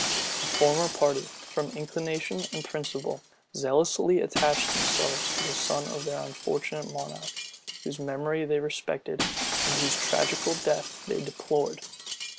The former party, from inclination and principle, zealously attached themselves to the son of their unfortunate monarch, whose memory they respected, and whose tragical death they deplored.